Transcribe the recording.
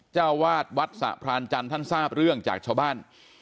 เจ้าวาดวัดสะพรานจันทร์ท่านทราบเรื่องจากชาวบ้าน